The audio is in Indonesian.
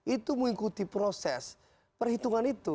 itu mengikuti proses perhitungan itu